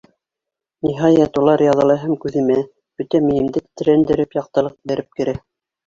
Ниһайәт, улар яҙыла һәм күҙемә, бөтә мейемде тетрәндереп, яҡтылыҡ бәреп керә.